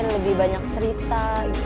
lebih banyak cerita